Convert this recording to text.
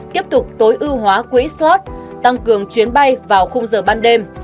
tiếp tục tối ưu hóa quỹ slot tăng cường chuyến bay vào khung giờ ban đêm